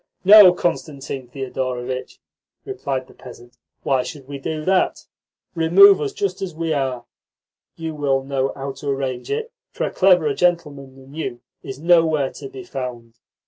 "No, Constantine Thedorovitch," replied the peasant. "Why should we do that? Remove us just as we are. You will know how to arrange it, for a cleverer gentleman than you is nowhere to be found.